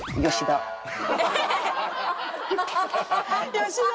吉田？